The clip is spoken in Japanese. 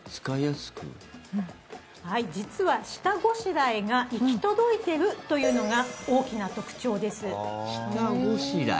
実は、下ごしらえが行き届いているというのが下ごしらえ。